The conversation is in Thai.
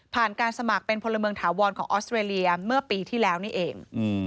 การสมัครเป็นพลเมืองถาวรของออสเตรเลียเมื่อปีที่แล้วนี่เอง